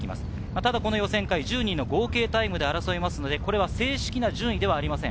ただ予選会１０人の合計タイムで争いますので、これは正式な順位ではありません。